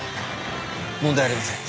問題ありません。